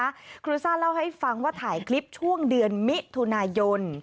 ครูซ่าเล่าให้ฟังว่าถ่ายคลิปช่วงเดือนมิถุนายน